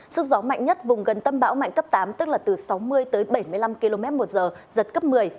sức gió mạnh nhất vùng gần tâm bão mạnh cấp tám tức là từ sáu mươi tới bảy mươi năm km một giờ giật cấp một mươi